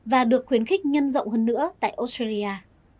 và được khuyến khích nhân rộng hơn nữa tại australia